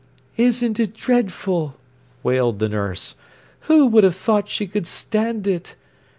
"Isn't it dreadful!" wailed the nurse. "Who would have thought she could stand it?